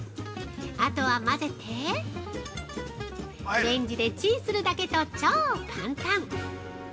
あとは混ぜてレンジでチンするだけと超簡単！